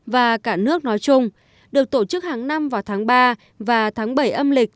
và cả nước nói chung được tổ chức hàng năm vào tháng ba và tháng bảy âm lịch